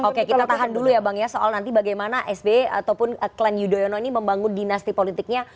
oke kita tahan dulu ya bang ya soal nanti bagaimana sby ataupun klan yudhoyono ini membangun dinasti politiknya